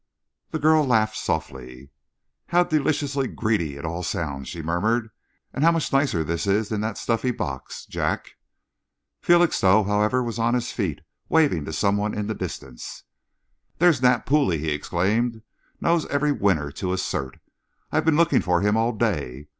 The girl laughed softly. "How deliciously greedy it all sounds," she murmured, "and how much nicer this is than that stuffy box! Jack!" Felixstowe, however, was on his feet, waving to some one in the distance. "There's Nat Pooley!" he exclaimed. "Knows every winner to a cert. I've been looking for him all day.